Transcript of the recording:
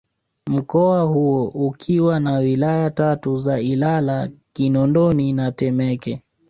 Mkoa huo ukiwa na Wilaya tatu za Ilala Kinondoni na Temeke